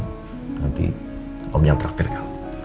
nanti om yang terakhir kamu